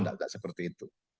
tidak seperti itu